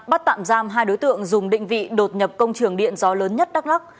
bắt tạm giam hai đối tượng dùng định vị đột nhập công trường điện gió lớn nhất đắk lắc